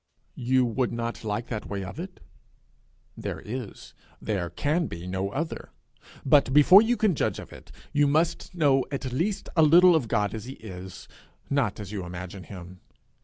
You would not like that way of it? There is, there can be, no other; but before you can judge of it, you must know at least a little of God as he is, not as you imagine him.